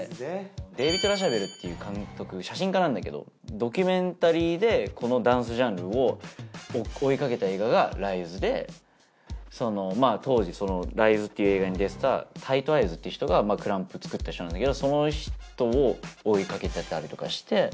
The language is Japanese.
デビッド・ラシャベルっていう監督写真家なんだけどドキュメンタリーでこのダンスジャンルを追いかけた映画が『ＲＩＺＥ』で当時『ＲＩＺＥ』っていう映画に出てたタイト・アイズっていう人がＫＲＵＭＰを作った人なんだけどその人を追いかけてたりとかして。